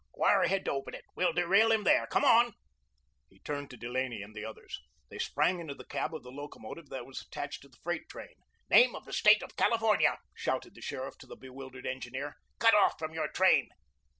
"Wire ahead to open it. We'll derail him there. Come on;" he turned to Delaney and the others. They sprang into the cab of the locomotive that was attached to the freight train. "Name of the State of California," shouted the sheriff to the bewildered engineer. "Cut off from your train."